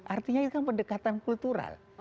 artinya itu kan pendekatan kultural